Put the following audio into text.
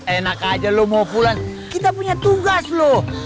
enak aja lo mau pulang kita punya tugas loh